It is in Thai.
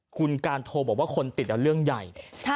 คุณการโทรบอกว่าคนติดเรื่องใหญ่